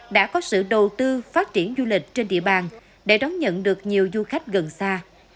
đã có sự đầu tư phát triển du lịch trên địa bàn để đón nhận được nhiều du khách gần xa